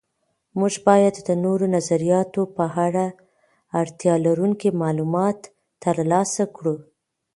موږ باید د نورو نظریاتو په اړه اړتیا لرونکي معلومات تر لاسه کړو.